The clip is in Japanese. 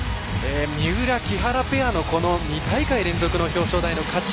三浦、木原ペアの２大会連続表彰台の価値。